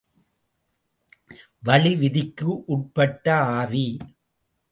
வளி விதிக்கு உட்பட்ட ஆவி.